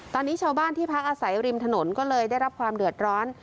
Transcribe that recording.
ตอนนี้ชาวบ้านที่พักอาศัยริมถนนก็เลยได้รับความเดือดร้อน